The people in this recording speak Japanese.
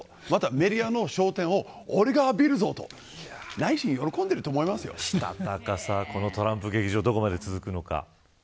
メディアの焦点を俺が浴びるぜとこのトランプ劇場どこまで続くのか。